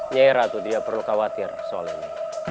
nyai ratu dia perlu khawatir soalnya